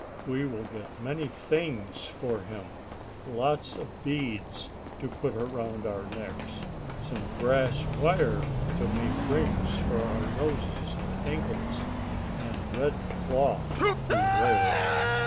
We will get many things for him, lots of beads to put around our necks, some brass wire to make rings for our noses and ankles, and red cloth to wear."